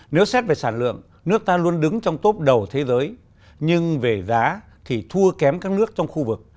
nếu xét về sản lượng nước ta luôn đứng trong tốp đầu thế giới nhưng về giá thì thua kém các nước trong khu vực